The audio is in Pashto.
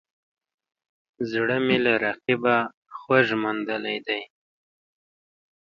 زړه مې له رقیبه خوږ موندلی دی